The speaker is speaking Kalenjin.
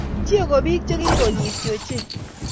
Chie ko biik che kikonyiti ochei.